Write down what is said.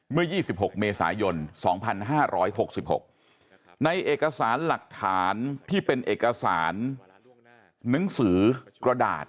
เมื่อ๒๖เมษายน๒๕๖๖ในเอกสารหลักฐานที่เป็นเอกสารหนังสือกระดาษ